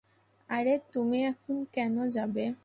আরে, তুমি এখন কেন যাবে?